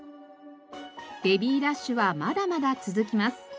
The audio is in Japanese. ベビーラッシュはまだまだ続きます。